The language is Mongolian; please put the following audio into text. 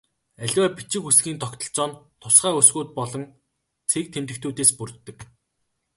Аливаа бичиг үсгийн тогтолцоо нь тусгай үсгүүд болон цэг тэмдэгтүүдээс бүрддэг.